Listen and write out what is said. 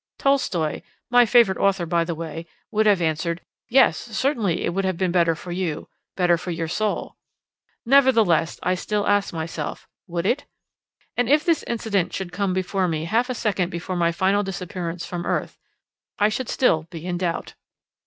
Tolstoy (my favourite author, by the way) would have answered: "Yes, certainly it would have been better for you better for your soul." Nevertheless, I still ask myself: "Would it?" and if this incident should come before me half a second before my final disappearance from earth, I should still be in doubt.